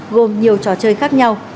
gồm nhiều trò chơi khác nhau